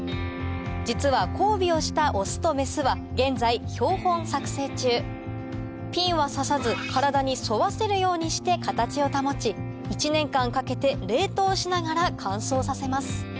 実は交尾をしたオスとメスは現在標本作製中ピンは刺さず体に沿わせるようにして形を保ち１年間かけて冷凍しながら乾燥させます